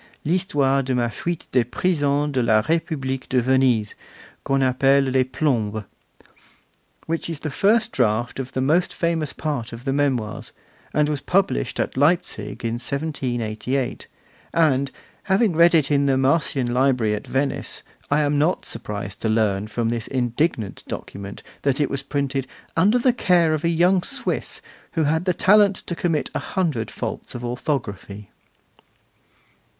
L'Histoire de ma Fuite des Prisons de la Republique de Venise, qu'on appelle les Plombs', which is the first draft of the most famous part of the Memoirs, was published at Leipzig in 1788; and, having read it in the Marcian Library at Venice, I am not surprised to learn from this indignant document that it was printed 'under the care of a young Swiss, who had the talent to commit a hundred faults of orthography.